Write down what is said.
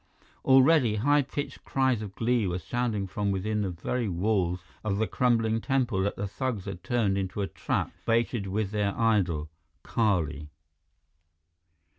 Already, high pitched cries of glee were sounding from within the very walls of the crumbling temple that the thugs had turned into a trap baited with their idol, Kali.